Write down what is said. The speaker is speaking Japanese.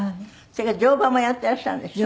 それから乗馬もやってらっしゃるんでしょ？